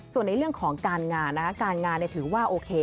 ส่วนในเรื่องของการงานนะคะการงานถือว่าโอเค